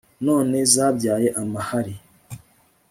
none zabyaye amahari